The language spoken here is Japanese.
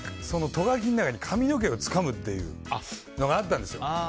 そのト書きの中で髪の毛をつかむっていうのがあったんです。